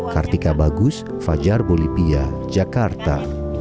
kartika bagus fajar bolivia jakarta